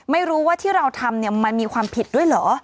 ไม่รู้ว่าที่เราทำเนี่ยมันมีความผิดด้วยเหรอ